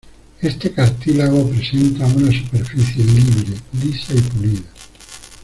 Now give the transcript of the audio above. Este cartílago presenta una superficie libre, lisa y pulida.